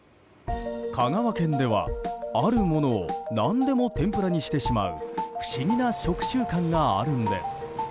香川県では、あるものを何でも天ぷらにしてしまう不思議な食習慣があるんです。